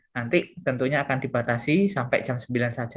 nanti tentunya akan dibatasi sampai jam sembilan saja